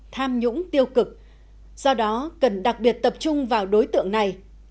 tham nhũng tiêu cực do đó cần đặc biệt tập trung vào đối tượng này